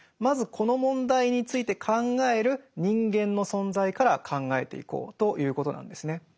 まずこの問題について考える人間の存在から考えていこうということなんですね。